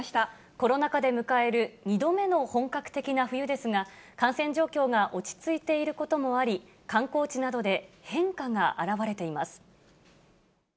コロナ禍で迎える２度目の本格的な冬ですが、感染状況が落ち着いていることもあり、観光地などで変化が表れています。